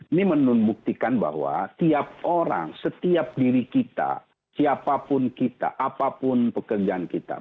ini membuktikan bahwa tiap orang setiap diri kita siapapun kita apapun pekerjaan kita